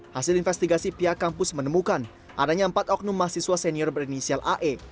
hasil investigasi pihak kampus menemukan adanya empat oknum mahasiswa senior berinisial ae